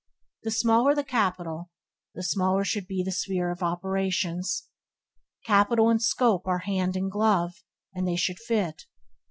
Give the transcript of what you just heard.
The smaller the capital, the smaller should be the sphere of operations. Capital and scope are hand and glove, and they should fit.